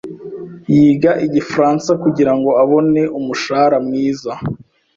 Yiga Igifaransa kugirango abone umushahara mwiza.